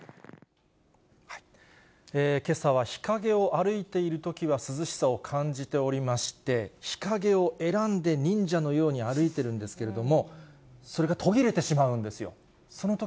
けさは日陰を歩いているときは涼しさを感じておりまして、日陰を選んで忍者のように歩いてるんですけれども、それが途切れてしまうんですよ。